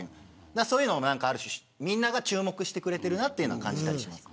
そういうのも、ある種みんなが注目してくれているなという感じがします。